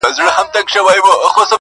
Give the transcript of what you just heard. مور له زامنو څخه پټیږي.!